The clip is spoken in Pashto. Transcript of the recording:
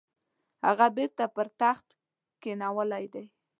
هغه بیرته پر تخت کښېنولی دی.